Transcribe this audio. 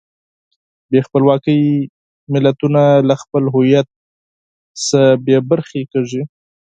بې خپلواکۍ ملتونه له خپل هویت نه بېبرخې کېږي.